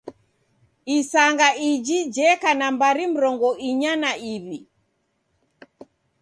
Isanga iji jeka na mbari mrongo inya na iw'i.